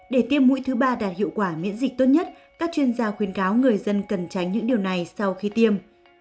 để tiêm mũi thứ ba đạt hiệu quả miễn dịch tốt nhất các chuyên gia khuyên cáo người dân cần tránh những điều này sau khi tiêm